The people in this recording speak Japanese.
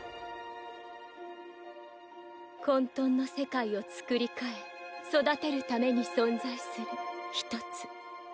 混沌の世界を創り替え育てるために存在する一つ。